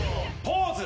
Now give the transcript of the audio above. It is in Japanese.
ポーズ？